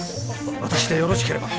私でよろしければ。